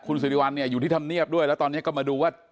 คุณสิริวัลเนี่ยอยู่ที่ธรรมเนียบด้วยแล้วตอนนี้ก็มาดูว่า